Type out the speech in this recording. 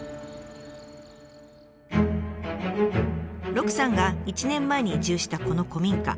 鹿さんが１年前に移住したこの古民家。